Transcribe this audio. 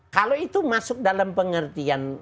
kalau itu masuk dalam pengertian